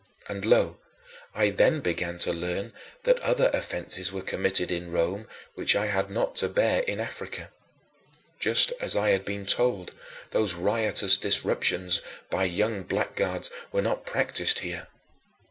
And lo, I then began to learn that other offenses were committed in Rome which I had not had to bear in Africa. Just as I had been told, those riotous disruptions by young blackguards were not practiced here.